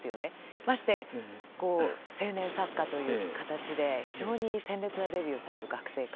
まして青年作家という形で非常に鮮烈なデビューをされる学生から。